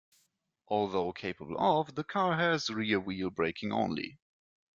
Although capable of the car has rear-wheel braking only.